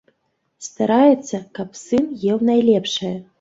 Стараецца, каб сын еў найлепшае.